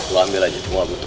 lo ambil aja semua yang lo butuh